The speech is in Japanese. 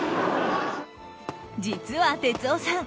実は哲夫さん